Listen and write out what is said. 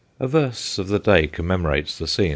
A verse of the day commemorates the scene.